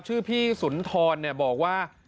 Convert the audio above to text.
ชื่อพี่สุนทรบอกว่า